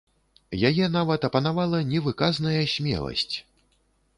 Яе нават апанавала невыказная смеласць.